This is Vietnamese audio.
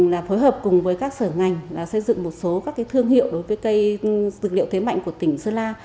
là phối hợp cùng với các sở ngành xây dựng một số các thương hiệu đối với cây dược liệu thế mạnh của tỉnh sơn la